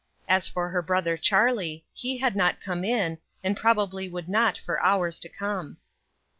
As for her brother Charlie, he had not come in, and probably would not for hours to come.